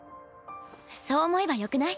そう思えばよくない？